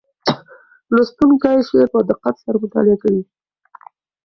لوستونکی شعر په دقت سره مطالعه کوي.